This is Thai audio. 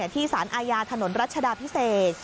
ที่สารอาญาถนนรัชดาพิเศษ